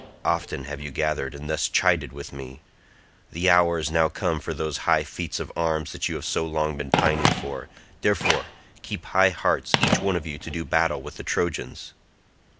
Often have you gathered and thus chided with me. The hour is now come for those high feats of arms that you have so long been pining for, therefore keep high hearts each one of you to do battle with the Trojans."